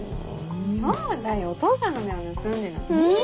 そうだよお父さんの目を盗んでなんてねぇ？